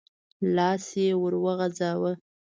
لاس يې ور وغځاوه.